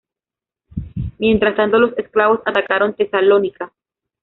Mientras tanto, los eslavos atacaron Tesalónica.